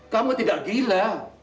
kamu tidak gila